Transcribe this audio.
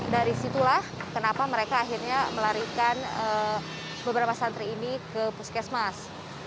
dari situlah kenapa mereka akhirnya melarikan beberapa santri ini ke puskesmas